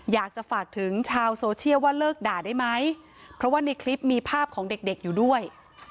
อยากจะฝากถึงชาวโซเชียลว่าเลิกด่าได้ไหมเพราะว่าในคลิปมีภาพของเด็กเด็กอยู่ด้วย